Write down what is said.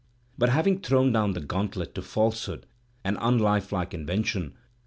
But having thrown down the gauntlet to falsehood ^ and unlife like invention.